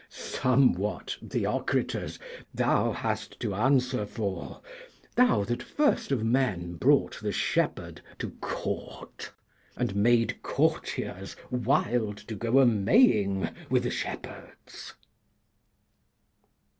Somewhat, Theocritus, thou hast to answer for, thou that first of men brought the shepherd to Court, and made courtiers wild to go a Maying with the shepherds.